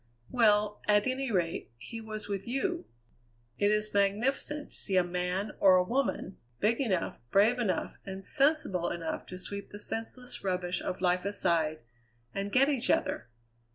"Well, at any rate, he was with you. It is magnificent to see a man, or a woman, big enough, brave enough, and sensible enough to sweep the senseless rubbish of life aside, and get each other!